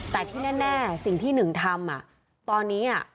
แต่ที่แน่แน่สิ่งที่หนึ่งทำอ่ะตอนนี้อ่ะ